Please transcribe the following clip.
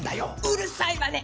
うるさいわね。